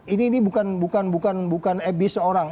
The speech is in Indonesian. ini bukan abyss orang